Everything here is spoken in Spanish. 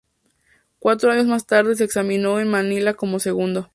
Cuatro años más tarde se examinó en Manila como segundo.